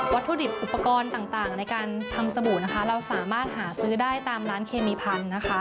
ถุดิบอุปกรณ์ต่างในการทำสบู่นะคะเราสามารถหาซื้อได้ตามร้านเคมีพันธุ์นะคะ